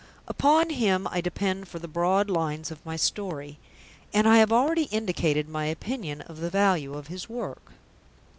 Upon him I depend for the broad lines of my story, and I have already indicated my opinion of the value of his work.